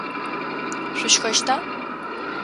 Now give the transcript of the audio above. Шъущхэщта?